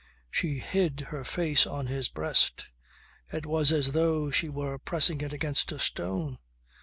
She hid her face on his breast. It was as though she were pressing it against a stone.